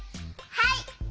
はい！